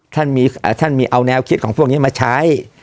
ท่านเอาแนวคิดของพวกนี้มาใช้